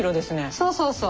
そうそうそう。